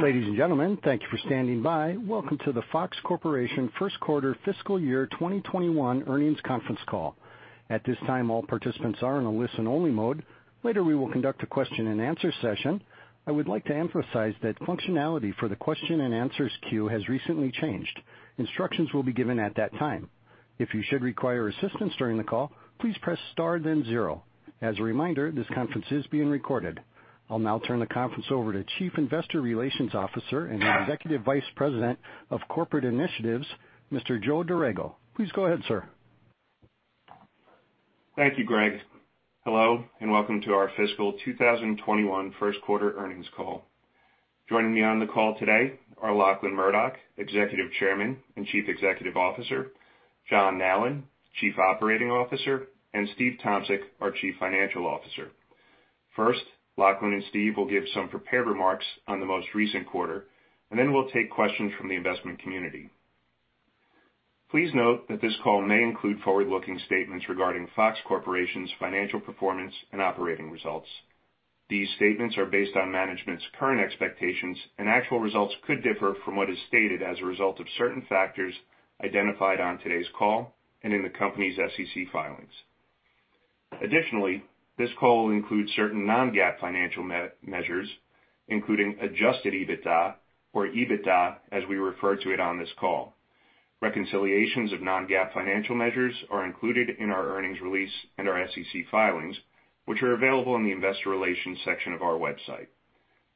Ladies and gentlemen, thank you for standing by. Welcome to the Fox Corporation first quarter fiscal year 2021 earnings conference call. At this time, all participants are in a listen-only mode. Later, we will conduct a question-and-answer session. I would like to emphasize that functionality for the question-and-answers queue has recently changed. Instructions will be given at that time. If you should require assistance during the call, please press star then zero. As a reminder, this conference is being recorded. I'll now turn the conference over to Chief Investor Relations Officer and Executive Vice President of Corporate Initiatives, Mr. Joe Dorrego. Please go ahead, sir. Thank you, Greg. Hello, and welcome to our fiscal 2021 first quarter earnings call. Joining me on the call today are Lachlan Murdoch, Executive Chairman and Chief Executive Officer, John Nallen, Chief Operating Officer, and Steven Tomsic, our Chief Financial Officer. First, Lachlan and Steve will give some prepared remarks on the most recent quarter, and then we'll take questions from the investment community. Please note that this call may include forward-looking statements regarding Fox Corporation's financial performance and operating results. These statements are based on management's current expectations, and actual results could differ from what is stated as a result of certain factors identified on today's call and in the company's SEC filings. Additionally, this call will include certain non-GAAP financial measures, including adjusted EBITDA or EBITDA, as we refer to it on this call. Reconciliations of non-GAAP financial measures are included in our earnings release and our SEC filings, which are available in the investor relations section of our website,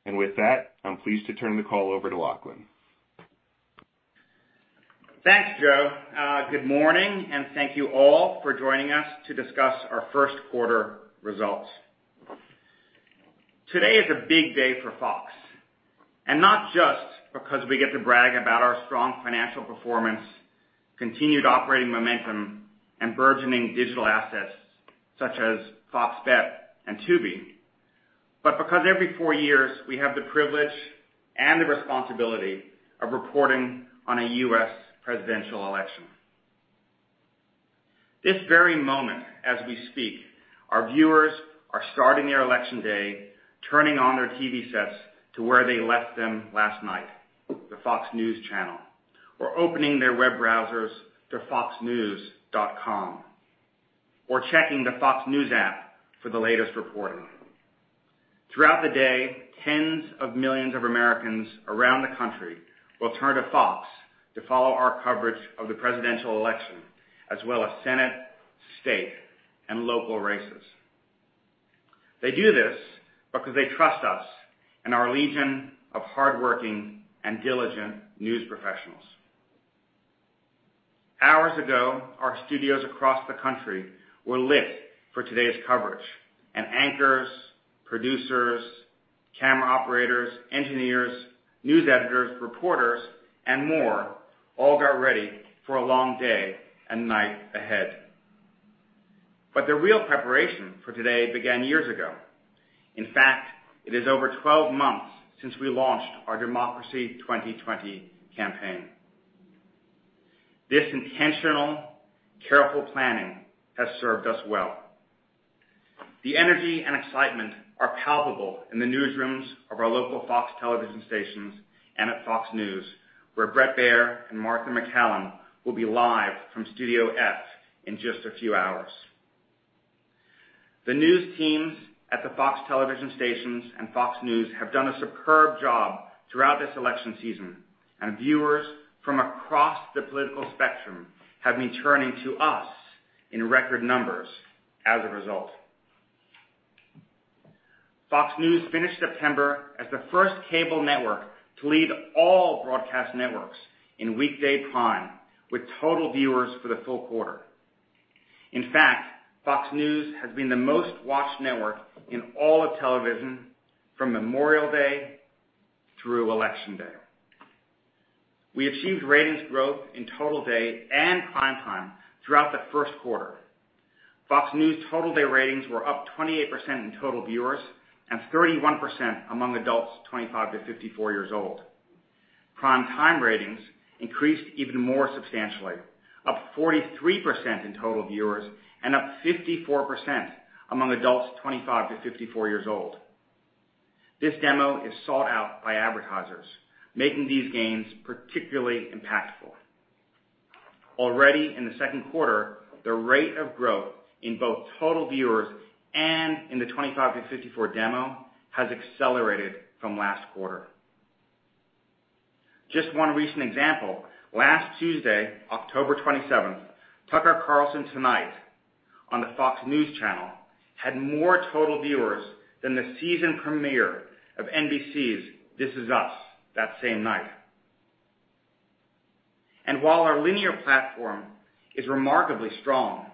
and with that, I'm pleased to turn the call over to Lachlan. Thanks, Joe. Good morning, and thank you all for joining us to discuss our first quarter results. Today is a big day for Fox, and not just because we get to brag about our strong financial performance, continued operating momentum, and burgeoning digital assets such as FOX Bet and Tubi, but because every four years we have the privilege and the responsibility of reporting on a U.S. presidential election. This very moment as we speak, our viewers are starting their election day, turning on their TV sets to where they left them last night, the Fox News channel, or opening their web browsers to foxnews.com, or checking the Fox News app for the latest reporting. Throughout the day, tens of millions of Americans around the country will turn to Fox to follow our coverage of the presidential election, as well as Senate, state, and local races. They do this because they trust us and our legion of hardworking and diligent news professionals. Hours ago, our studios across the country were lit for today's coverage, and anchors, producers, camera operators, engineers, news editors, reporters, and more all got ready for a long day and night ahead. But the real preparation for today began years ago. In fact, it is over 12 months since we launched our Democracy 2020 campaign. This intentional, careful planning has served us well. The energy and excitement are palpable in the newsrooms of our local Fox television stations and at Fox News, where Bret Baier and Martha MacCallum will be live from Studio F in just a few hours. The news teams at the Fox Television Stations and Fox News have done a superb job throughout this election season, and viewers from across the political spectrum have been turning to us in record numbers as a result. Fox News finished September as the first cable network to lead all broadcast networks in weekday prime, with total viewers for the full quarter. In fact, Fox News has been the most watched network in all of television from Memorial Day through Election Day. We achieved ratings growth in total day and prime time throughout the first quarter. Fox News' total day ratings were up 28% in total viewers and 31% among adults 25 years-54 years old. Prime time ratings increased even more substantially, up 43% in total viewers and up 54% among adults 25 yeas-54 years old. This demo is sought out by advertisers, making these gains particularly impactful. Already in the second quarter, the rate of growth in both total viewers and in the 25-54 demo has accelerated from last quarter. Just one recent example: last Tuesday, October 27, Tucker Carlson Tonight on the Fox News Channel had more total viewers than the season premiere of NBC's This Is Us that same night, and while our linear platform is remarkably strong,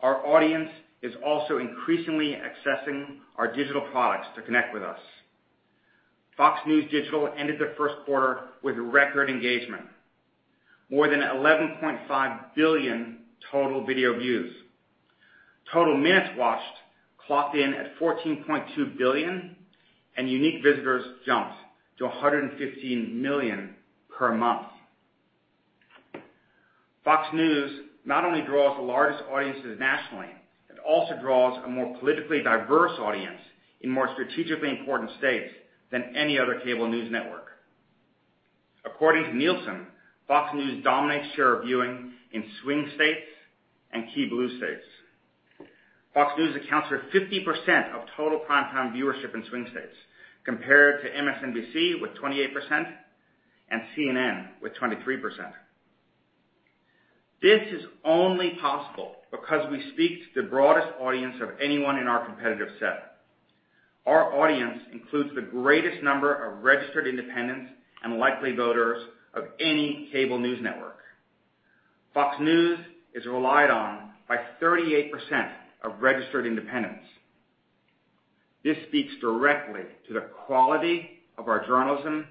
our audience is also increasingly accessing our digital products to connect with us. Fox News Digital ended the first quarter with record engagement, more than 11.5 billion total video views. Total minutes watched clocked in at 14.2 billion, and unique visitors jumped to 115 million per month. Fox News not only draws the largest audiences nationally, it also draws a more politically diverse audience in more strategically important states than any other cable news network. According to Nielsen, Fox News dominates share of viewing in swing states and key blue states. Fox News accounts for 50% of total prime time viewership in swing states, compared to MSNBC with 28% and CNN with 23%. This is only possible because we speak to the broadest audience of anyone in our competitive set. Our audience includes the greatest number of registered independents and likely voters of any cable news network. Fox News is relied on by 38% of registered independents. This speaks directly to the quality of our journalism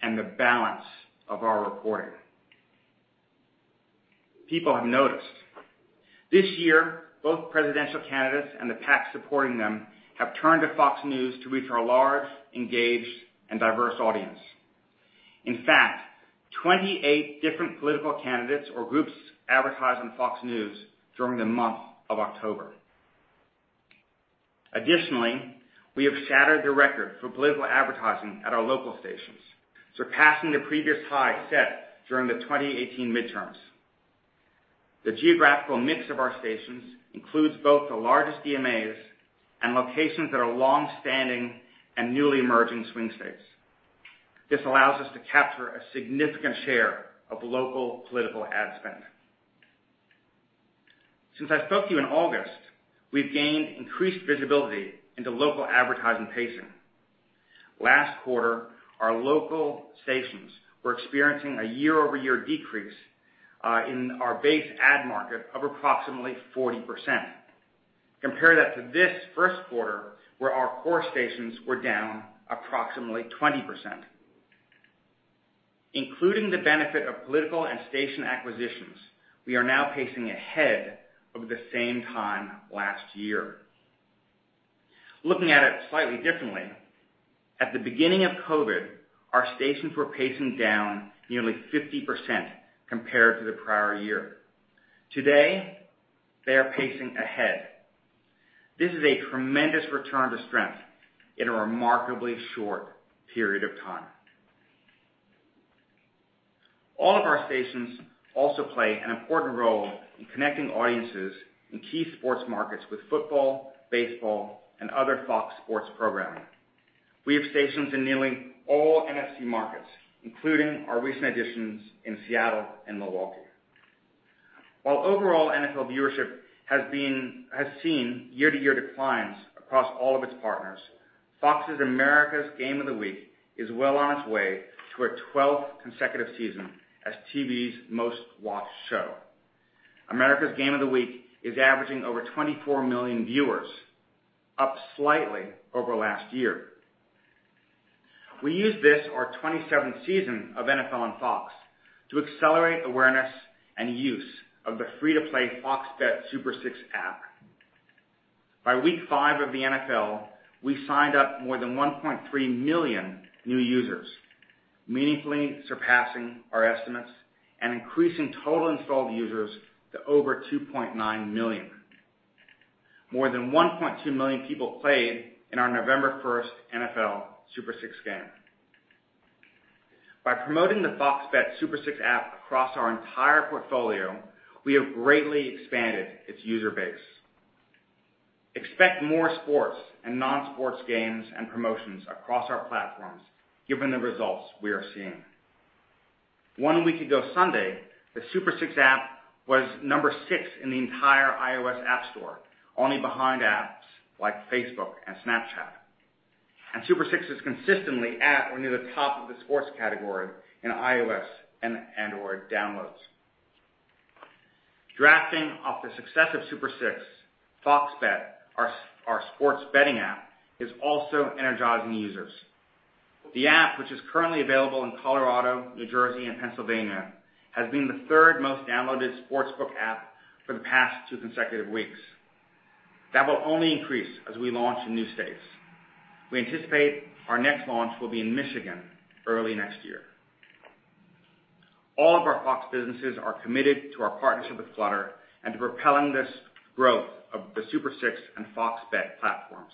and the balance of our reporting. People have noticed. This year, both presidential candidates and the PACs supporting them have turned to Fox News to reach our large, engaged, and diverse audience. In fact, 28 different political candidates or groups advertised on Fox News during the month of October. Additionally, we have shattered the record for political advertising at our local stations, surpassing the previous high set during the 2018 midterms. The geographical mix of our stations includes both the largest DMAs and locations that are long-standing and newly emerging swing states. This allows us to capture a significant share of local political ad spend. Since I spoke to you in August, we've gained increased visibility into local advertising pacing. Last quarter, our local stations were experiencing a year-over-year decrease in our base ad market of approximately 40%. Compare that to this first quarter, where our core stations were down approximately 20%. Including the benefit of political and station acquisitions, we are now pacing ahead of the same time last year. Looking at it slightly differently, at the beginning of COVID, our stations were pacing down nearly 50% compared to the prior year. Today, they are pacing ahead. This is a tremendous return to strength in a remarkably short period of time. All of our stations also play an important role in connecting audiences in key sports markets with football, baseball, and other Fox Sports programming. We have stations in nearly all NFC markets, including our recent additions in Seattle and Milwaukee. While overall NFL viewership has seen year-to-year declines across all of its partners, Fox's America's Game of the Week is well on its way to a 12th consecutive season as TV's most-watched show. America's Game of the Week is averaging over 24 million viewers, up slightly over last year. We use this, our 27th season of NFL on Fox, to accelerate awareness and use of the free-to-play FOX Bet Super 6 app. By week five of the NFL, we signed up more than 1.3 million new users, meaningfully surpassing our estimates and increasing total installed users to over 2.9 million. More than 1.2 million people played in our November 1 NFL Super 6 game. By promoting the FOX Bet Super 6 app across our entire portfolio, we have greatly expanded its user base. Expect more sports and non-sports games and promotions across our platforms, given the results we are seeing. One week ago Sunday, the Super 6 app was number six in the entire iOS App Store, only behind apps like Facebook and Snapchat, and Super 6 is consistently at or near the top of the sports category in iOS and/or downloads. Drafting off the success of Super 6, FOX Bet, our sports betting app, is also energizing users. The app, which is currently available in Colorado, New Jersey, and Pennsylvania, has been the third most-downloaded sportsbook app for the past two consecutive weeks. That will only increase as we launch in new states. We anticipate our next launch will be in Michigan early next year. All of our Fox businesses are committed to our partnership with Flutter and to propelling this growth of the Super 6 and FOX Bet platforms.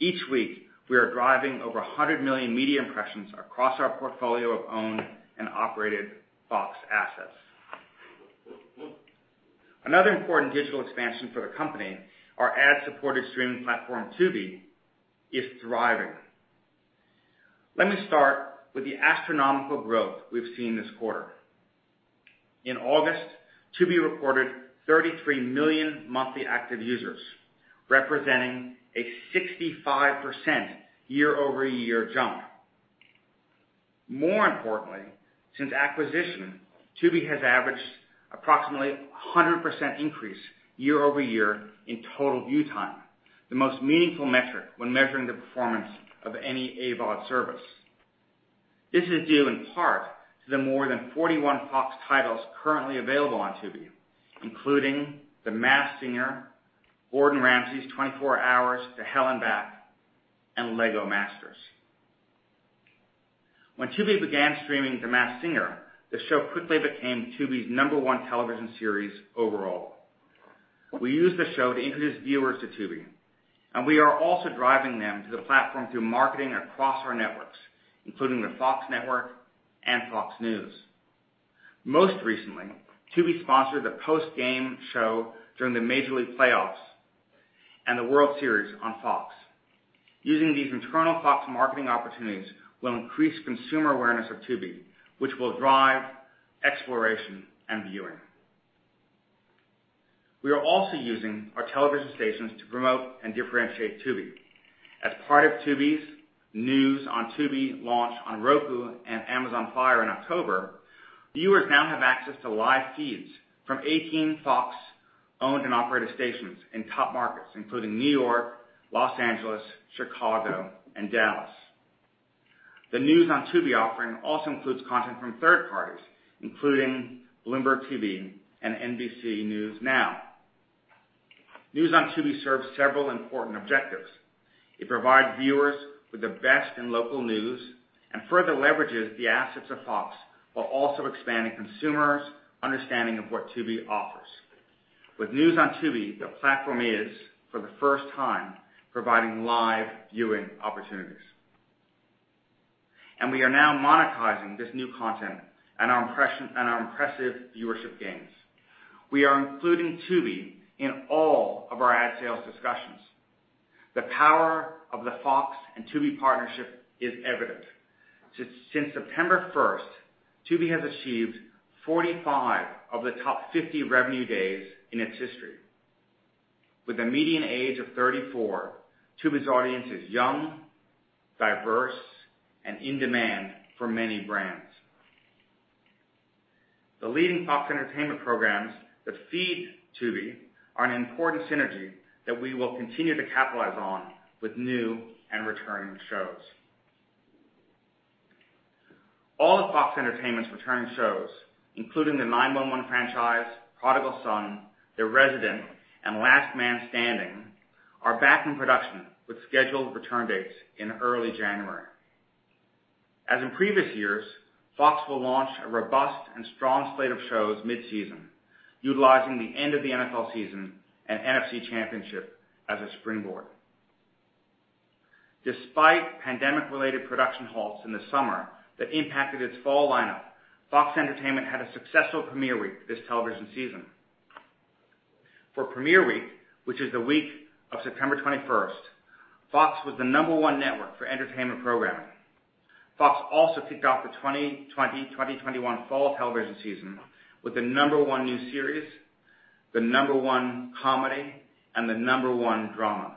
Each week, we are driving over 100 million media impressions across our portfolio of owned and operated Fox assets. Another important digital expansion for the company, our ad-supported streaming platform Tubi, is thriving. Let me start with the astronomical growth we've seen this quarter. In August, Tubi reported 33 million monthly active users, representing a 65% year-over-year jump. More importantly, since acquisition, Tubi has averaged approximately a 100% increase year-over-year in total view time, the most meaningful metric when measuring the performance of any AVOD service. This is due in part to the more than 41 Fox titles currently available on Tubi, including The Masked Singer, Gordon Ramsay's 24 Hours to Hell and Back, and LEGO Masters. When Tubi began streaming The Masked Singer, the show quickly became Tubi's number one television series overall. We use the show to introduce viewers to Tubi, and we are also driving them to the platform through marketing across our networks, including the Fox Network and Fox News. Most recently, Tubi sponsored the post-game show during the Major League Playoffs and the World Series on Fox. Using these internal Fox marketing opportunities will increase consumer awareness of Tubi, which will drive exploration and viewing. We are also using our television stations to promote and differentiate Tubi. As part of Tubi's News on Tubi launch on Roku and Amazon Fire in October, viewers now have access to live feeds from 18 Fox-owned and operated stations in top markets, including New York, Los Angeles, Chicago, and Dallas. The News on Tubi offering also includes content from third parties, including Bloomberg TV and NBC News Now. News on Tubi serves several important objectives. It provides viewers with the best in local news and further leverages the assets of Fox while also expanding consumers' understanding of what Tubi offers. With News on Tubi, the platform is, for the first time, providing live viewing opportunities, and we are now monetizing this new content and our impressive viewership gains. We are including Tubi in all of our ad sales discussions. The power of the Fox and Tubi partnership is evident. Since September 1, Tubi has achieved 45 of the top 50 revenue days in its history. With a median age of 34, Tubi's audience is young, diverse, and in demand for many brands. The leading Fox Entertainment programs that feed Tubi are an important synergy that we will continue to capitalize on with new and returning shows. All of Fox Entertainment's returning shows, including the 9-1-1 franchise, Prodigal Son, The Resident, and Last Man Standing, are back in production with scheduled return dates in early January. As in previous years, Fox will launch a robust and strong slate of shows midseason, utilizing the end of the NFL season and NFC Championship as a springboard. Despite pandemic-related production halts in the summer that impacted its fall lineup, Fox Entertainment had a successful premiere week this television season. For premiere week, which is the week of September 21, Fox was the number one network for entertainment programming. Fox also kicked off the 2020-2021 fall television season with the number one new series, the number one comedy, and the number one drama.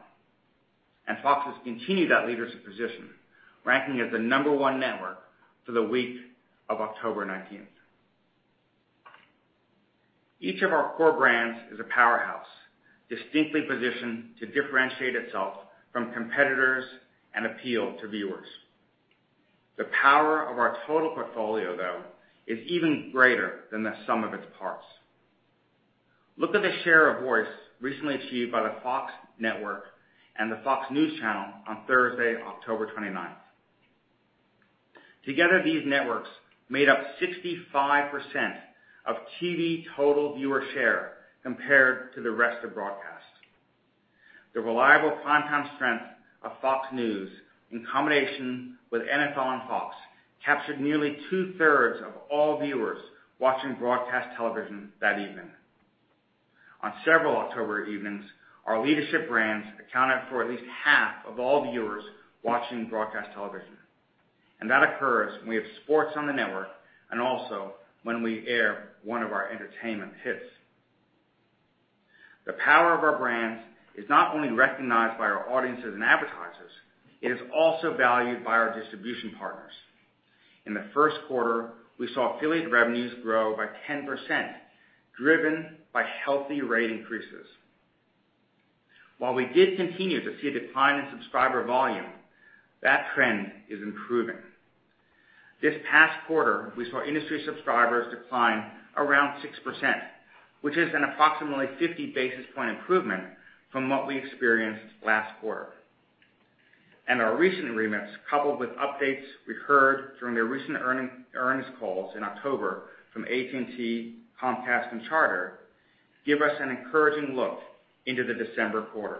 And Fox has continued that leadership position, ranking as the number one network for the week of October 19. Each of our core brands is a powerhouse, distinctly positioned to differentiate itself from competitors and appeal to viewers. The power of our total portfolio, though, is even greater than the sum of its parts. Look at the share of voice recently achieved by the Fox Network and the Fox News Channel on Thursday, October 29. Together, these networks made up 65% of TV total viewer share compared to the rest of broadcast. The reliable prime time strength of Fox News, in combination with NFL on Fox, captured nearly two-thirds of all viewers watching broadcast television that evening. On several October evenings, our leadership brands accounted for at least half of all viewers watching broadcast television, and that occurs when we have sports on the network and also when we air one of our entertainment hits. The power of our brands is not only recognized by our audiences and advertisers, it is also valued by our distribution partners. In the first quarter, we saw affiliate revenues grow by 10%, driven by healthy rate increases. While we did continue to see a decline in subscriber volume, that trend is improving. This past quarter, we saw industry subscribers decline around 6%, which is approximately 50 basis points improvement from what we experienced last quarter. Our recent results, coupled with updates we heard during the recent earnings calls in October from AT&T, Comcast, and Charter, give us an encouraging look into the December quarter.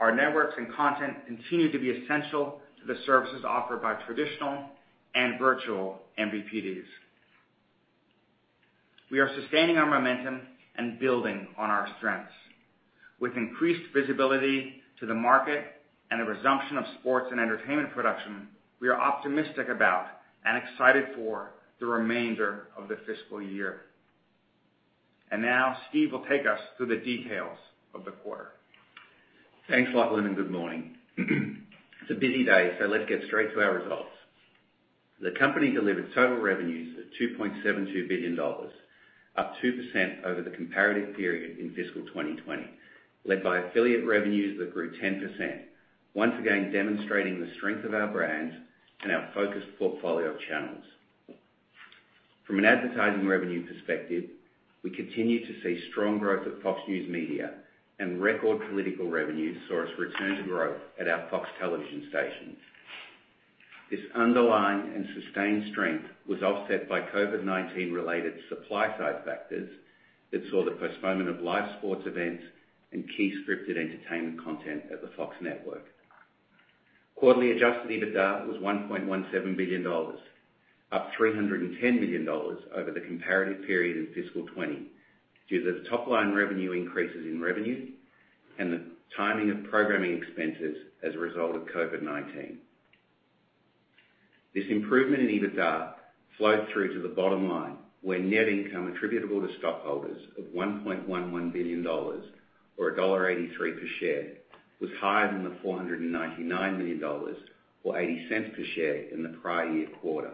Our networks and content continue to be essential to the services offered by traditional and virtual MVPDs. We are sustaining our momentum and building on our strengths. With increased visibility to the market and the resumption of sports and entertainment production, we are optimistic about and excited for the remainder of the fiscal year. And now, Steve will take us through the details of the quarter. Thanks, Lachlan, and good morning. It's a busy day, so let's get straight to our results. The company delivered total revenues of $2.72 billion, up 2% over the comparative period in fiscal 2020, led by affiliate revenues that grew 10%, once again demonstrating the strength of our brands and our focused portfolio of channels. From an advertising revenue perspective, we continue to see strong growth at Fox News Media, and record political revenues saw us return to growth at our Fox Television Stations. This underlying and sustained strength was offset by COVID-19-related supply-side factors that saw the postponement of live sports events and key scripted entertainment content at the Fox Network. Quarterly adjusted EBITDA was $1.17 billion, up $310 million over the comparative period in fiscal 2020, due to the top-line revenue increases in revenue and the timing of programming expenses as a result of COVID-19. This improvement in EBITDA flowed through to the bottom line, where net income attributable to stockholders of $1.11 billion, or $1.83 per share, was higher than the $499 million or $0.80 per share in the prior year quarter.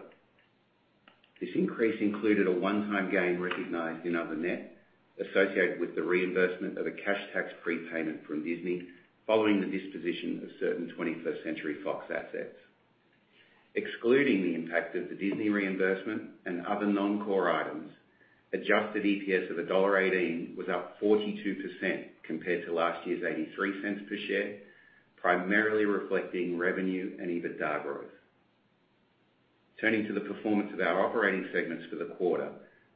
This increase included a one-time gain recognized in other net associated with the reimbursement of a cash tax prepayment from Disney following the disposition of certain 21st Century Fox assets. Excluding the impact of the Disney reimbursement and other non-core items, adjusted EPS of $1.18 was up 42% compared to last year's $0.83 per share, primarily reflecting revenue and EBITDA growth. Turning to the performance of our operating segments for the quarter,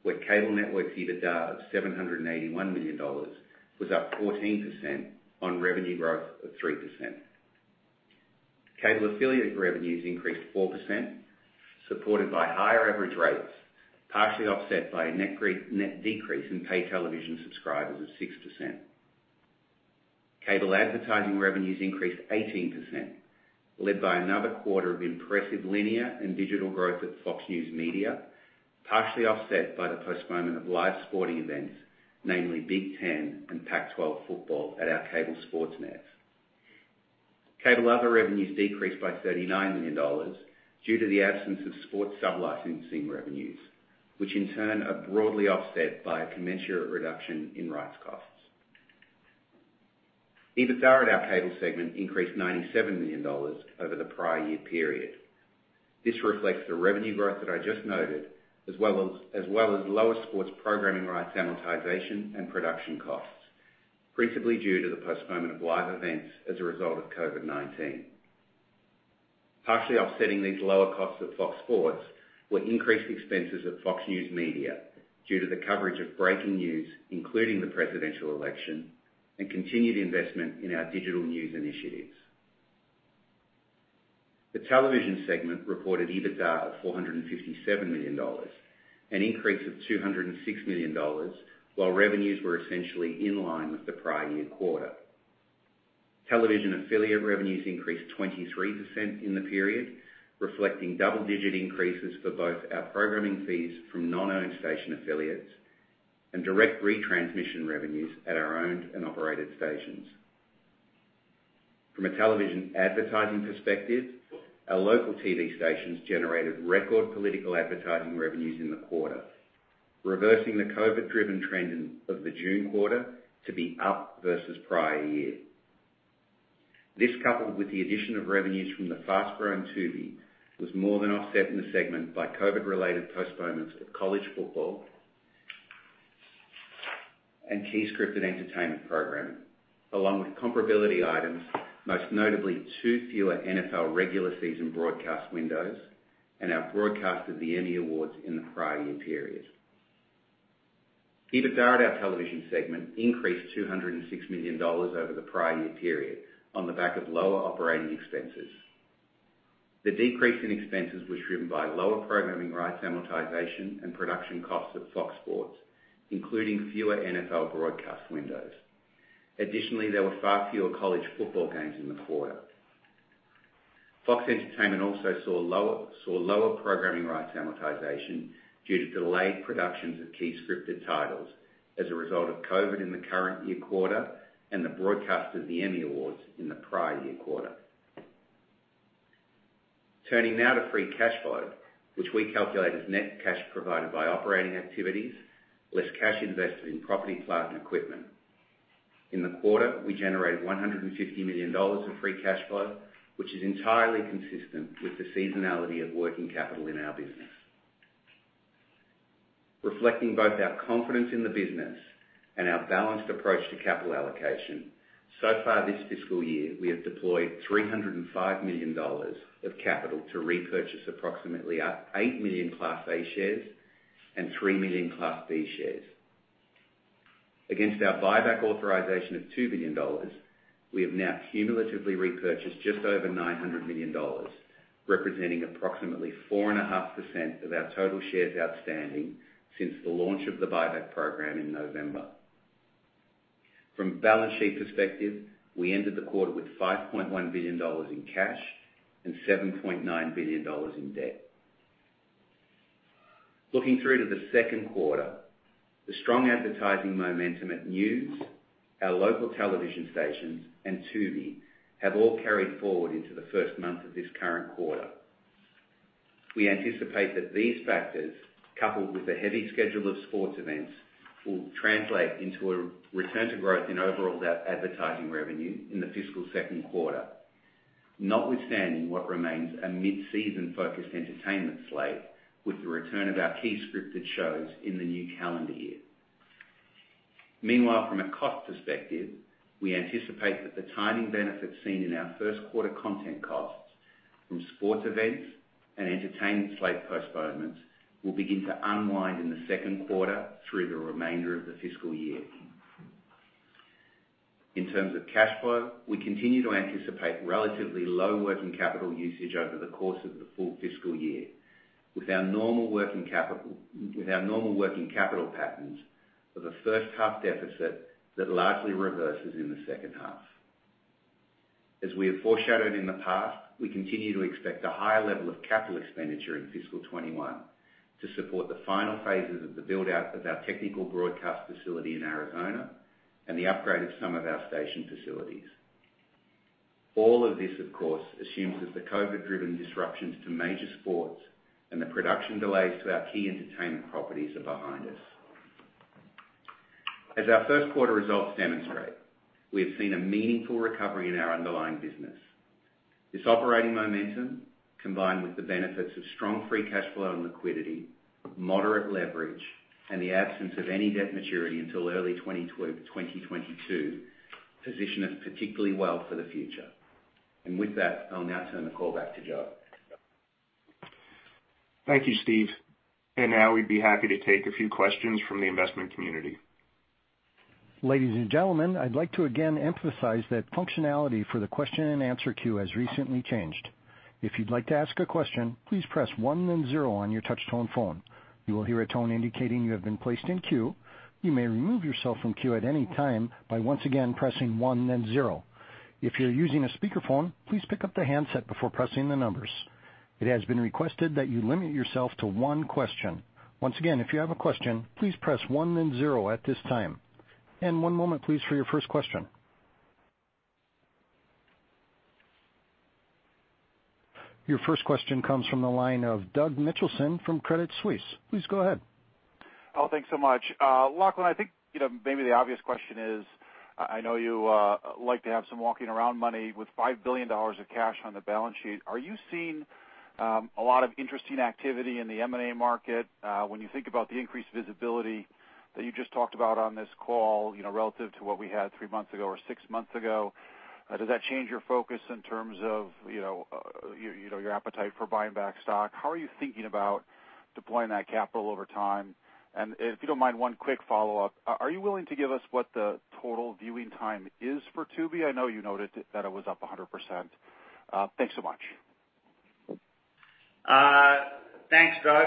where Cable Network's EBITDA of $781 million was up 14% on revenue growth of 3%. Cable affiliate revenues increased 4%, supported by higher average rates, partially offset by a net decrease in pay television subscribers of 6%. Cable advertising revenues increased 18%, led by another quarter of impressive linear and digital growth at Fox News Media, partially offset by the postponement of live sporting events, namely Big Ten and Pac-12 football at our cable sports nets. Cable other revenues decreased by $39 million due to the absence of sports sub-licensing revenues, which in turn are broadly offset by a commensurate reduction in rights costs. EBITDA at our cable segment increased $97 million over the prior year period. This reflects the revenue growth that I just noted, as well as lower sports programming rights amortization and production costs, principally due to the postponement of live events as a result of COVID-19. Partially offsetting these lower costs of Fox Sports were increased expenses of Fox News Media due to the coverage of breaking news, including the presidential election, and continued investment in our digital news initiatives. The Television Segment reported EBITDA of $457 million, an increase of $206 million, while revenues were essentially in line with the prior year quarter. Television affiliate revenues increased 23% in the period, reflecting double-digit increases for both our programming fees from non-owned station affiliates and direct retransmission revenues at our owned and operated stations. From a television advertising perspective, our local TV stations generated record political advertising revenues in the quarter, reversing the COVID-driven trend of the June quarter to be up versus prior year. This, coupled with the addition of revenues from the fast-growing Tubi, was more than offset in the segment by COVID-related postponements of college football and key scripted entertainment programming, along with comparability items, most notably two fewer NFL regular season broadcast windows and our broadcast of the Emmy Awards in the prior year period. EBITDA at our Television Segment increased $206 million over the prior year period on the back of lower operating expenses. The decrease in expenses was driven by lower programming rights amortization and production costs at Fox Sports, including fewer NFL broadcast windows. Additionally, there were far fewer college football games in the quarter. Fox Entertainment also saw lower programming rights amortization due to delayed productions of key scripted titles as a result of COVID in the current year quarter and the broadcast of the Emmy Awards in the prior year quarter. Turning now to free cash flow, which we calculate as net cash provided by operating activities, less cash invested in property, plant, and equipment. In the quarter, we generated $150 million of free cash flow, which is entirely consistent with the seasonality of working capital in our business. Reflecting both our confidence in the business and our balanced approach to capital allocation, so far this fiscal year, we have deployed $305 million of capital to repurchase approximately 8 million Class A shares and 3 million Class B shares. Against our buyback authorization of $2 billion, we have now cumulatively repurchased just over $900 million, representing approximately 4.5% of our total shares outstanding since the launch of the buyback program in November. From a balance sheet perspective, we ended the quarter with $5.1 billion in cash and $7.9 billion in debt. Looking through to the second quarter, the strong advertising momentum at news, our local television stations, and Tubi have all carried forward into the first month of this current quarter. We anticipate that these factors, coupled with the heavy schedule of sports events, will translate into a return to growth in overall advertising revenue in the fiscal second quarter, notwithstanding what remains a midseason-focused entertainment slate with the return of our key scripted shows in the new calendar year. Meanwhile, from a cost perspective, we anticipate that the timing benefits seen in our first quarter content costs from sports events and entertainment slate postponements will begin to unwind in the second quarter through the remainder of the fiscal year. In terms of cash flow, we continue to anticipate relatively low working capital usage over the course of the full fiscal year, with our normal working capital patterns of a first-half deficit that largely reverses in the second half. As we have foreshadowed in the past, we continue to expect a higher level of capital expenditure in fiscal 2021 to support the final phases of the build-out of our technical broadcast facility in Arizona and the upgrade of some of our station facilities. All of this, of course, assumes that the COVID-driven disruptions to major sports and the production delays to our key entertainment properties are behind us. As our first quarter results demonstrate, we have seen a meaningful recovery in our underlying business. This operating momentum, combined with the benefits of strong free cash flow and liquidity, moderate leverage, and the absence of any debt maturity until early 2022, position us particularly well for the future. And with that, I'll now turn the call back to Joe. Thank you, Steve. And now we'd be happy to take a few questions from the investment community. Ladies and gentlemen, I'd like to again emphasize that functionality for the question and answer queue has recently changed. If you'd like to ask a question, please press one then zero on your touch-tone phone. You will hear a tone indicating you have been placed in queue. You may remove yourself from queue at any time by once again pressing one then zero. If you're using a speakerphone, please pick up the handset before pressing the numbers. It has been requested that you limit yourself to one question. Once again, if you have a question, please press one then zero at this time. And one moment, please, for your first question. Your first question comes from the line of Doug Mitchelson from Credit Suisse. Please go ahead. Oh, thanks so much. Lachlan, I think maybe the obvious question is, I know you like to have some walking-around money with $5 billion of cash on the balance sheet. Are you seeing a lot of interesting activity in the M&A market when you think about the increased visibility that you just talked about on this call relative to what we had three months ago or six months ago? Does that change your focus in terms of your appetite for buying back stock? How are you thinking about deploying that capital over time? And if you don't mind, one quick follow-up. Are you willing to give us what the total viewing time is for Tubi? I know you noted that it was up 100%. Thanks so much. Thanks, Doug.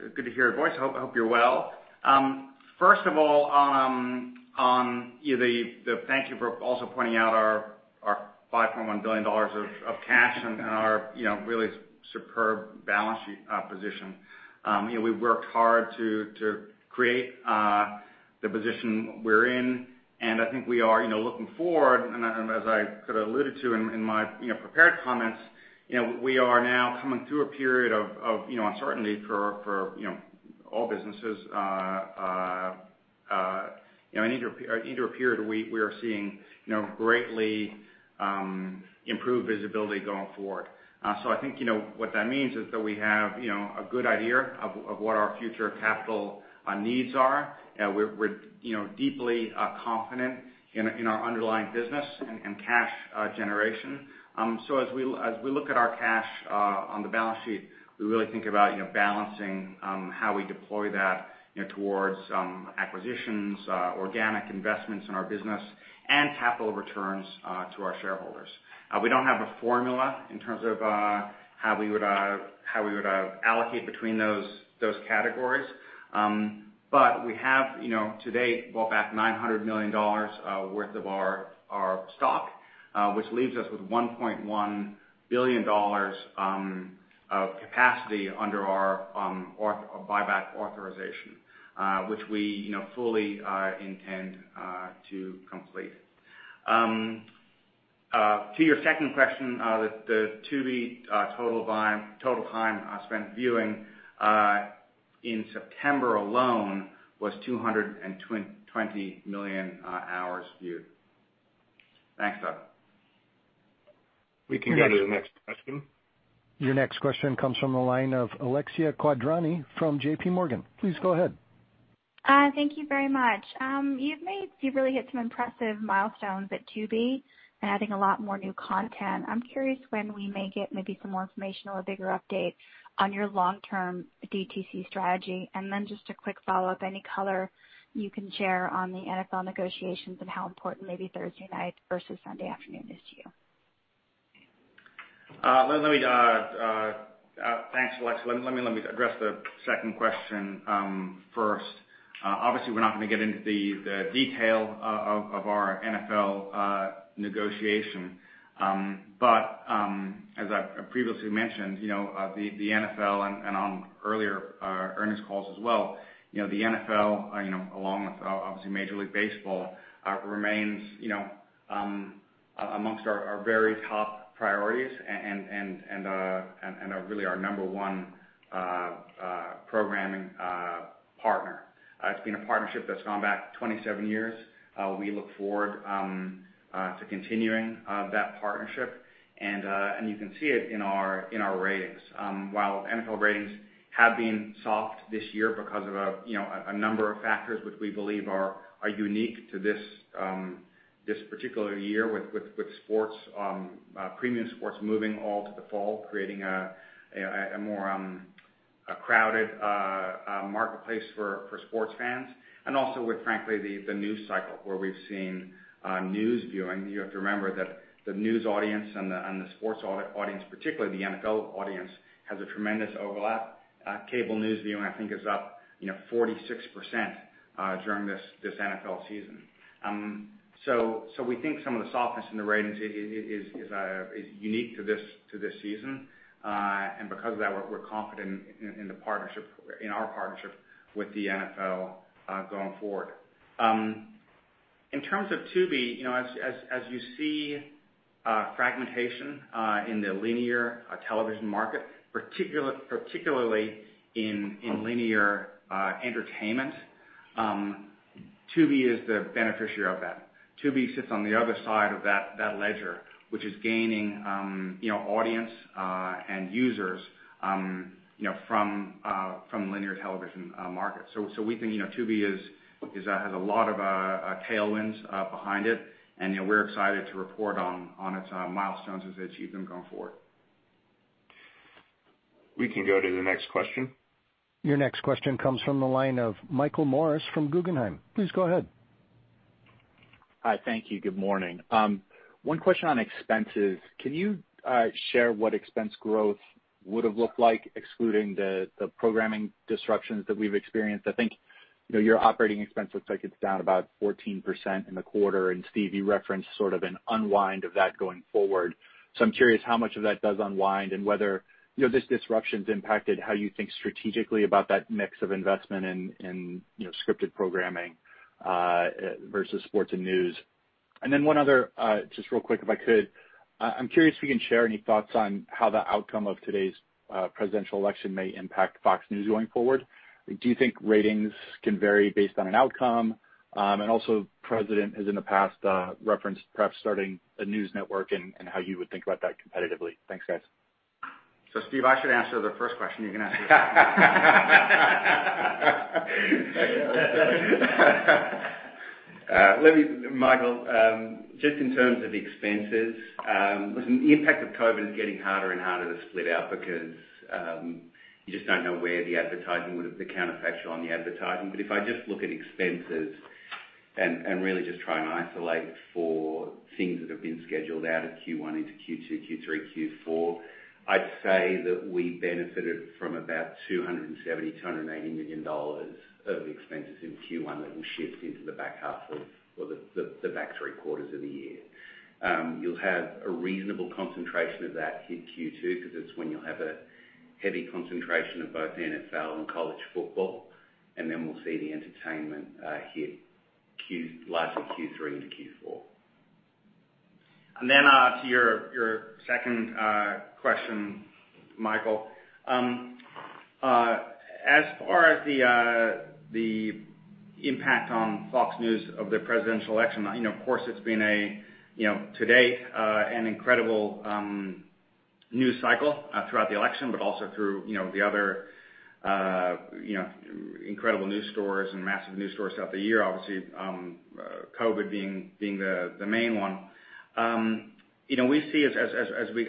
It's good to hear your voice. I hope you're well. First of all, thank you for also pointing out our $5.1 billion of cash and our really superb balance sheet position. We've worked hard to create the position we're in, and I think we are looking forward, and as I could have alluded to in my prepared comments, we are now coming through a period of uncertainty for all businesses into a period where we are seeing greatly improved visibility going forward. So I think what that means is that we have a good idea of what our future capital needs are. We're deeply confident in our underlying business and cash generation. So as we look at our cash on the balance sheet, we really think about balancing how we deploy that towards acquisitions, organic investments in our business, and capital returns to our shareholders. We don't have a formula in terms of how we would allocate between those categories, but we have to date bought back $900 million worth of our stock, which leaves us with $1.1 billion of capacity under our buyback authorization, which we fully intend to complete. To your second question, the Tubi total time spent viewing in September alone was 220 million hours viewed. Thanks, Doug. We can go to the next question. Your next question comes from the line of Alexia Quadrani from JPMorgan. Please go ahead. Thank you very much. You've really hit some impressive milestones at Tubi and adding a lot more new content. I'm curious when we may get maybe some more information or a bigger update on your long-term DTC strategy. And then just a quick follow-up, any color you can share on the NFL negotiations and how important maybe Thursday night versus Sunday afternoon is to you? Thanks, Alexia. Let me address the second question first. Obviously, we're not going to get into the detail of our NFL negotiation, but as I previously mentioned, the NFL, and on earlier earnings calls as well, the NFL, along with obviously Major League Baseball, remains amongst our very top priorities and really our number one programming partner. It's been a partnership that's gone back 27 years. We look forward to continuing that partnership, and you can see it in our ratings. While NFL ratings have been soft this year because of a number of factors which we believe are unique to this particular year with premium sports moving all to the fall, creating a more crowded marketplace for sports fans, and also with, frankly, the news cycle where we've seen news viewing. You have to remember that the news audience and the sports audience, particularly the NFL audience, has a tremendous overlap. Cable news viewing, I think, is up 46% during this NFL season. So we think some of the softness in the ratings is unique to this season, and because of that, we're confident in our partnership with the NFL going forward. In terms of Tubi, as you see fragmentation in the linear television market, particularly in linear entertainment, Tubi is the beneficiary of that. Tubi sits on the other side of that ledger, which is gaining audience and users from the linear television market. So we think Tubi has a lot of tailwinds behind it, and we're excited to report on its milestones as they achieve them going forward. We can go to the next question. Your next question comes from the line of Michael Morris from Guggenheim. Please go ahead. Hi, thank you. Good morning. One question on expenses. Can you share what expense growth would have looked like, excluding the programming disruptions that we've experienced? I think your operating expense looks like it's down about 14% in the quarter, and Steve, you referenced sort of an unwind of that going forward. So I'm curious how much of that does unwind and whether this disruption has impacted how you think strategically about that mix of investment in scripted programming versus sports and news. And then one other, just real quick, if I could, I'm curious if you can share any thoughts on how the outcome of today's presidential election may impact Fox News going forward. Do you think ratings can vary based on an outcome? And also, the president has in the past referenced perhaps starting a news network and how you would think about that competitively. Thanks, guys. So, Steve, I should answer the first question. You can answer the second. Michael, just in terms of expenses, listen, the impact of COVID is getting harder and harder to split out because you just don't know where the advertising would have the counterfactual on the advertising. But if I just look at expenses and really just try and isolate for things that have been scheduled out of Q1 into Q2, Q3, Q4, I'd say that we benefited from about $270 million-$280 million of expenses in Q1 that will shift into the back half of or the back three quarters of the year. You'll have a reasonable concentration of that hit Q2 because it's when you'll have a heavy concentration of both NFL and college football, and then we'll see the entertainment hit largely Q3 into Q4. And then to your second question, Michael, as far as the impact on Fox News of the presidential election, of course, it's been a, to date, an incredible news cycle throughout the election, but also through the other incredible news stories and massive news stories throughout the year, obviously COVID being the main one. We see,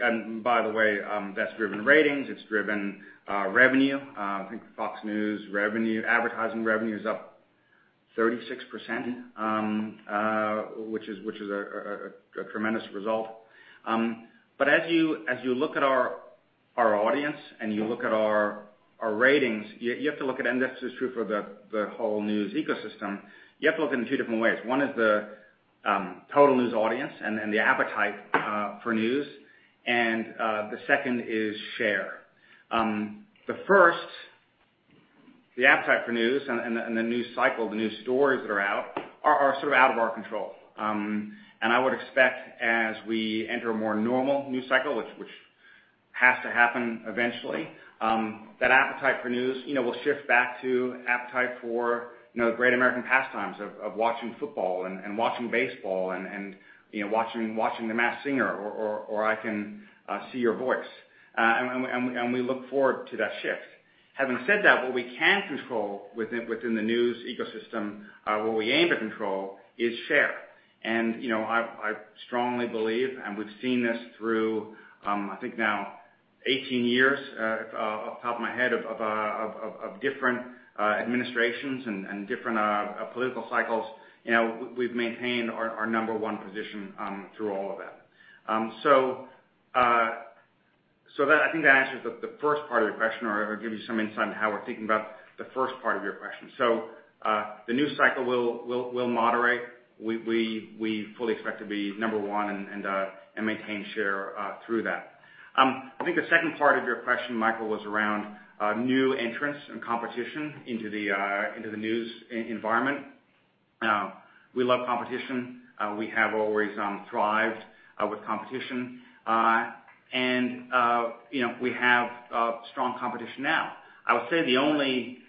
and by the way, that's driven ratings. It's driven revenue. I think Fox News advertising revenue is up 36%, which is a tremendous result. But as you look at our audience and you look at our ratings, you have to look at, and this is true for the whole news ecosystem, you have to look at it in two different ways. One is the total news audience and the appetite for news, and the second is share. The first, the appetite for news and the news cycle, the news stories that are out are sort of out of our control. And I would expect as we enter a more normal news cycle, which has to happen eventually, that appetite for news will shift back to appetite for the great American pastimes of watching football and watching baseball and watching The Masked Singer or I Can See Your Voice. And we look forward to that shift. Having said that, what we can control within the news ecosystem, what we aim to control is share. And I strongly believe, and we've seen this through, I think, now 18 years off the top of my head of different administrations and different political cycles, we've maintained our number one position through all of that. So I think that answers the first part of your question or gives you some insight on how we're thinking about the first part of your question, so the news cycle will moderate. We fully expect to be number one and maintain share through that. I think the second part of your question, Michael, was around new entrants and competition into the news environment. We love competition. We have always thrived with competition, and we have strong competition now. I would say the only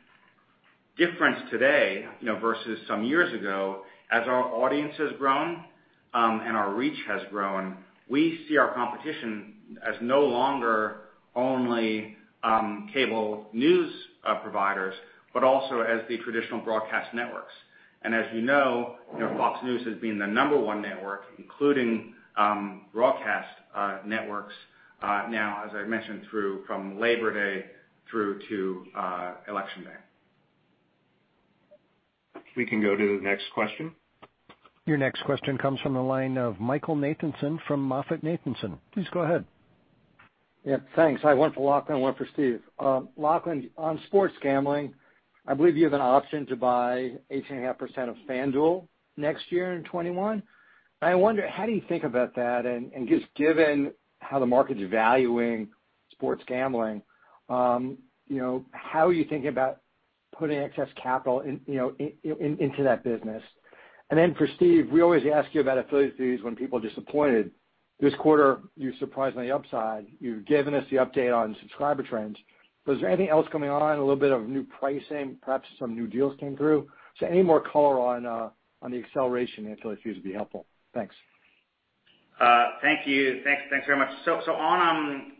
difference today versus some years ago, as our audience has grown and our reach has grown, we see our competition as no longer only cable news providers, but also as the traditional broadcast networks, and as you know, Fox News has been the number one network, including broadcast networks now, as I mentioned, from Labor Day through to Election Day. We can go to the next question. Your next question comes from the line of Michael Nathanson from MoffettNathanson. Please go ahead. Yep. Thanks. I went for Lachlan. I went for Steve. Lachlan, on sports gambling, I believe you have an option to buy 18.5% of FanDuel next year in 2021. I wonder, how do you think about that? And just given how the market's valuing sports gambling, how are you thinking about putting excess capital into that business? And then for Steve, we always ask you about affiliate fees when people are disappointed. This quarter, you surprised on the upside. You've given us the update on subscriber trends. But is there anything else coming on? A little bit of new pricing, perhaps some new deals came through? So any more color on the acceleration in affiliate fees would be helpful. Thanks. Thank you. Thanks very much. So on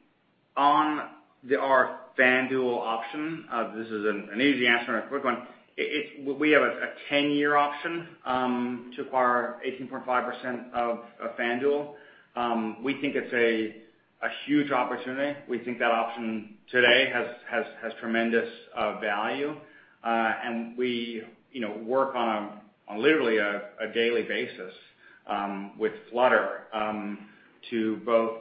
our FanDuel option, this is an easy answer and a quick one. We have a 10-year option to acquire 18.5% of FanDuel. We think it's a huge opportunity. We think that option today has tremendous value, and we work on it on literally a daily basis with Flutter to both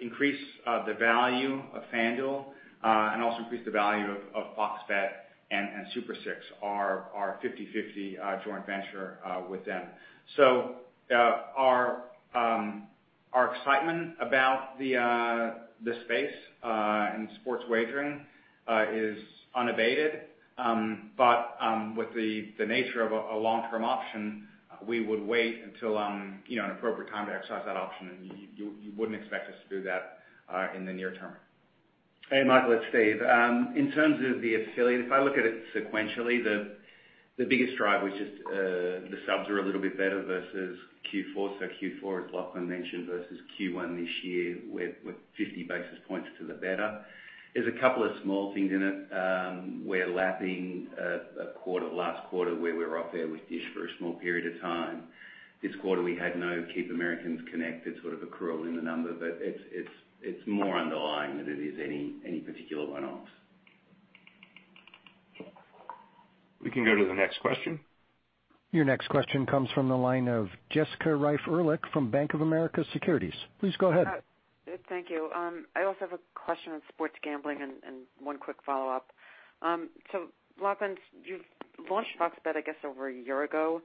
increase the value of FanDuel and also increase the value of FOX Bet and Super 6, our 50/50 joint venture with them. So our excitement about the space and sports wagering is unabated, but with the nature of a long-term option, we would wait until an appropriate time to exercise that option, and you wouldn't expect us to do that in the near term. Hey, Michael. It's Steve. In terms of the affiliate, if I look at it sequentially, the biggest drive was just the subs were a little bit better versus Q4. So Q4, as Lachlan mentioned, versus Q1 this year with 50 basis points to the better. There's a couple of small things in it. We're lapping a quarter, last quarter, where we were off there with Dish for a small period of time. This quarter, we had no Keep Americans Connected sort of accrual in the number, but it's more underlying than it is any particular one-offs. We can go to the next question. Your next question comes from the line of Jessica Reif Ehrlich from Bank of America Securities. Please go ahead. Thank you. I also have a question on sports gambling and one quick follow-up. So Lachlan, you've launched FOX Bet, I guess, over a year ago.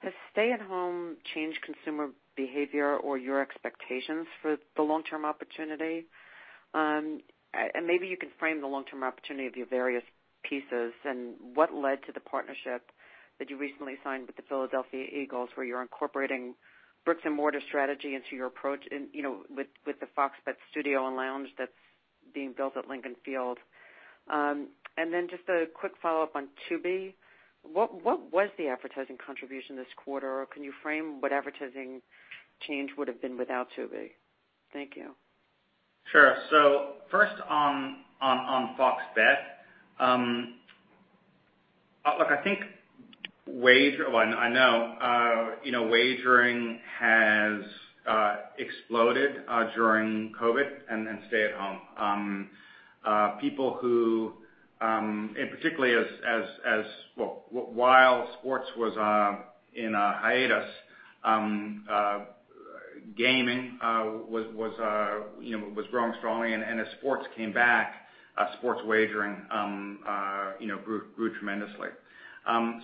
Has stay-at-home changed consumer behavior or your expectations for the long-term opportunity? And maybe you can frame the long-term opportunity of your various pieces. And what led to the partnership that you recently signed with the Philadelphia Eagles, where you're incorporating bricks-and-mortar strategy into your approach with the FOX Bet studio and lounge that's being built at Lincoln Financial Field? And then just a quick follow-up on Tubi. What was the advertising contribution this quarter, or can you frame what advertising change would have been without Tubi? Thank you. Sure. So first on FOX Bet, I think wager—well, I know—wagering has exploded during COVID and stay-at-home. People who, and particularly as while sports was in a hiatus, gaming was growing strongly, and as sports came back, sports wagering grew tremendously.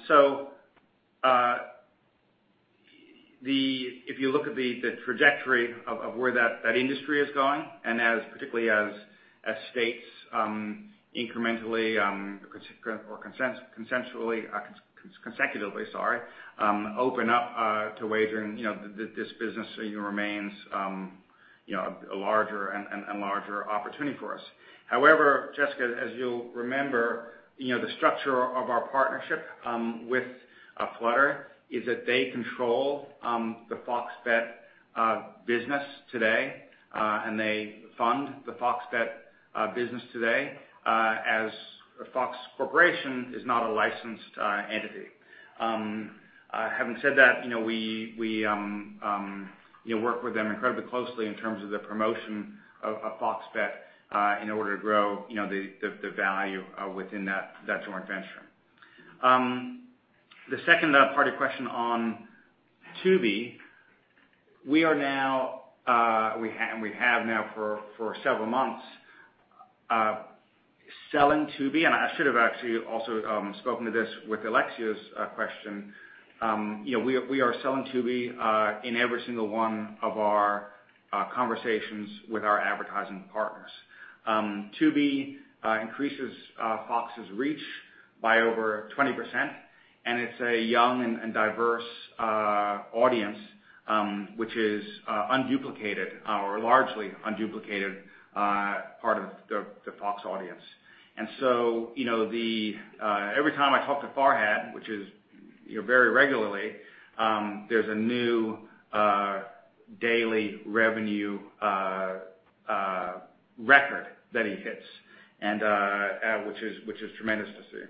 So if you look at the trajectory of where that industry is going, and particularly as states incrementally or consecutively, sorry, open up to wagering, this business remains a larger and larger opportunity for us. However, Jessica, as you'll remember, the structure of our partnership with Flutter is that they control the FOX Bet business today, and they fund the FOX Bet business today as Fox Corporation is not a licensed entity. Having said that, we work with them incredibly closely in terms of the promotion of FOX Bet in order to grow the value within that joint venture. The second part of your question on Tubi, we are now, and we have now for several months, selling Tubi, and I should have actually also spoken to this with Alexia's question. We are selling Tubi in every single one of our conversations with our advertising partners. Tubi increases Fox's reach by over 20%, and it's a young and diverse audience, which is unduplicated or largely unduplicated part of the Fox audience. And so every time I talk to Farhad, which is very regularly, there's a new daily revenue record that he hits, which is tremendous to see.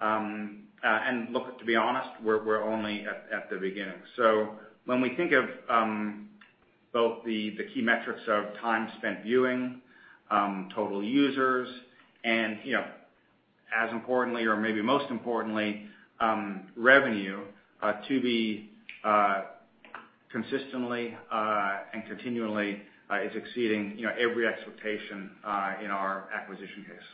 And look, to be honest, we're only at the beginning. So when we think of both the key metrics of time spent viewing, total users, and as importantly, or maybe most importantly, revenue, Tubi consistently and continually is exceeding every expectation in our acquisition case.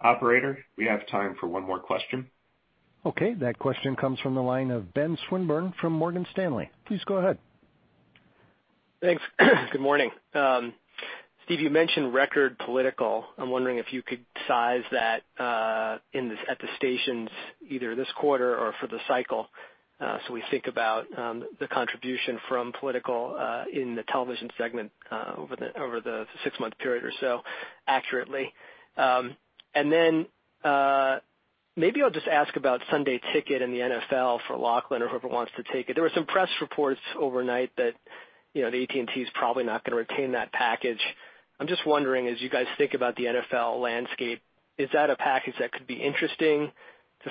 Operator, we have time for one more question. Okay. That question comes from the line of Ben Swinburne from Morgan Stanley. Please go ahead. Thanks. Good morning. Steve, you mentioned record political. I'm wondering if you could size that at the stations either this quarter or for the cycle so we think about the contribution from political in the Television Segment over the six-month period or so accurately, and then maybe I'll just ask about Sunday Ticket and the NFL for Lachlan or whoever wants to take it. There were some press reports overnight that AT&T is probably not going to retain that package. I'm just wondering, as you guys think about the NFL landscape, is that a package that could be interesting to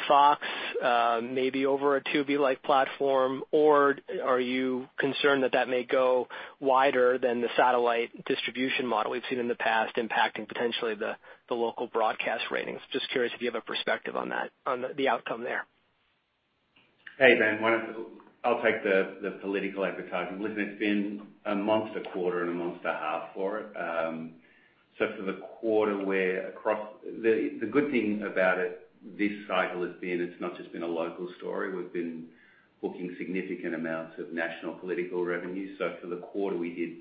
Fox, maybe over a Tubi-like platform, or are you concerned that that may go wider than the satellite distribution model we've seen in the past, impacting potentially the local broadcast ratings? Just curious if you have a perspective on the outcome there. Hey, Ben. I'll take the political advertising. Listen, it's been a month to quarter and a month to half for it. So for the quarter, we're across the good thing about it this cycle has been it's not just been a local story. We've been booking significant amounts of national political revenue. So for the quarter, we did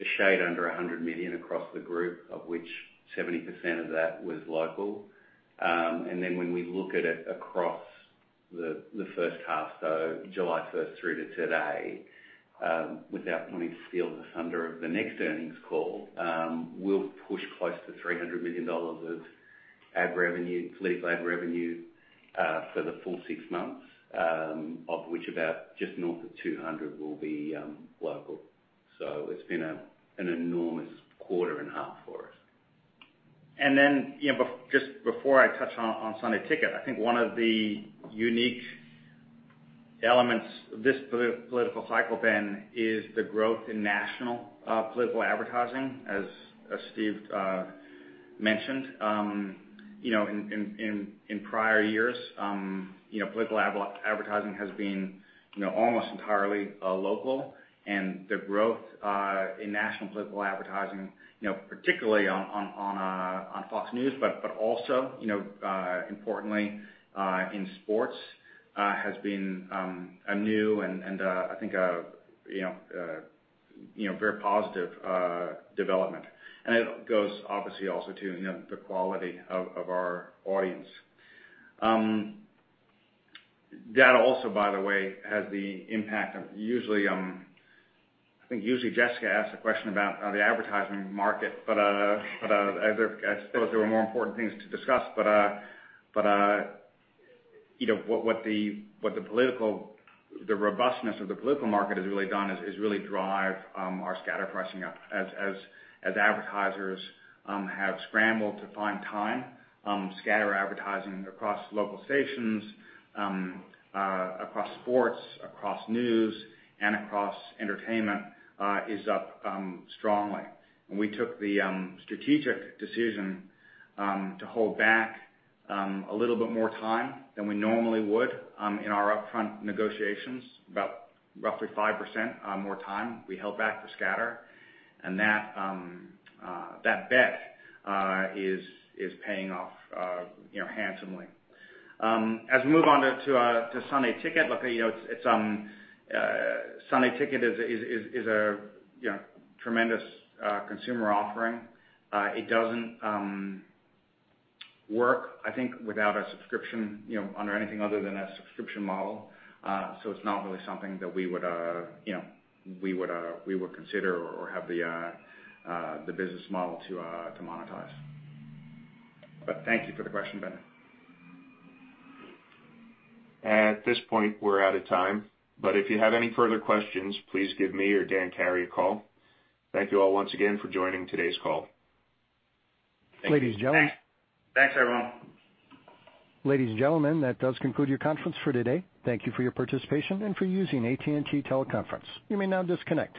a shade under $100 million across the group, of which 70% of that was local. And then when we look at it across the first half, so July 1st through to today, without wanting to steal the thunder of the next earnings call, we'll push close to $300 million of political ad revenue for the full six months, of which about just north of $200 million will be local. So it's been an enormous quarter and half for us. And then just before I touch on Sunday Ticket, I think one of the unique elements of this political cycle, Ben, is the growth in national political advertising, as Steve mentioned. In prior years, political advertising has been almost entirely local, and the growth in national political advertising, particularly on Fox News, but also importantly in sports, has been a new and, I think, a very positive development. And it goes obviously also to the quality of our audience. That also, by the way, has the impact of usually I think Jessica asked a question about the advertising market, but I suppose there were more important things to discuss. But what the robustness of the political market has really done is really drive our scatter pricing up. As advertisers have scrambled to find time, scatter advertising across local stations, across sports, across news, and across entertainment is up strongly. And we took the strategic decision to hold back a little bit more time than we normally would in our upfront negotiations, about roughly 5% more time. We held back for scatter, and that bet is paying off handsomely. As we move on to Sunday Ticket, look, Sunday Ticket is a tremendous consumer offering. It doesn't work, I think, without a subscription under anything other than a subscription model. So it's not really something that we would consider or have the business model to monetize. But thank you for the question, Ben. At this point, we're out of time. But if you have any further questions, please give me or Dan Carey a call. Thank you all once again for joining today's call. Ladies and gentlemen. Thanks, everyone. Ladies and gentlemen, that does conclude your conference for today. Thank you for your participation and for using AT&T Teleconference. You may now disconnect.